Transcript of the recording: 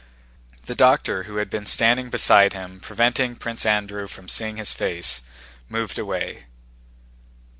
The doctor who had been standing beside him, preventing Prince Andrew from seeing his face, moved away.